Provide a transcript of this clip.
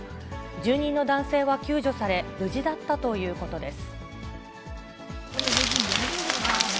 住人の男性は救助され、無事だったということです。